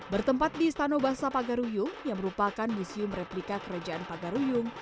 bertempat di stanobahsa pagaruyung yang merupakan museum replika kerajaan pagaruyung